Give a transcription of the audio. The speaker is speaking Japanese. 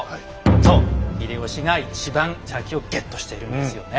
そう秀吉が一番茶器をゲットしているんですよね。